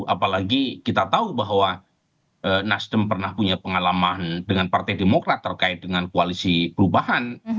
apalagi kita tahu bahwa nasdem pernah punya pengalaman dengan partai demokrat terkait dengan koalisi perubahan